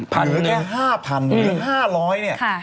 หรือแค่ห้าพันหรือห้าร้อยเนี่ย